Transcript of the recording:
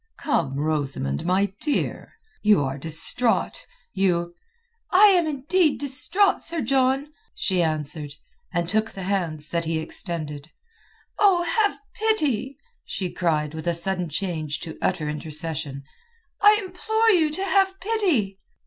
"Come, Rosamund, my dear! You are distraught, you...." "I am indeed distraught, Sir John," she answered, and took the hands that he extended. "Oh, have pity!" she cried with a sudden change to utter intercession. "I implore you to have pity!"